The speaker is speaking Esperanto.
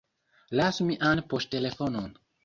Lasu mian poŝtelefonon